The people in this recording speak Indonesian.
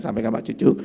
sampaikan pak cucu